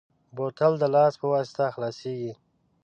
بوتل د لاس په واسطه خلاصېږي.